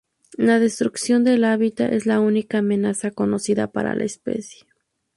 La destrucción del hábitat es la única amenaza conocida para la especie.